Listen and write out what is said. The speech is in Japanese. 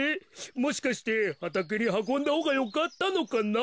もしかしてはたけにはこんだほうがよかったのかな。